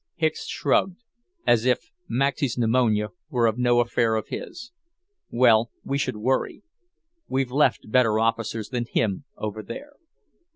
Hicks shrugged, as if Maxey's pneumonia were no affair of his. "Well, we should worry! We've left better officers than him over there."